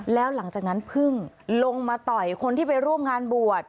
แล้วหลังจากนั้นพึ่งลงมาต่อยคนที่ไปร่วมงานบวช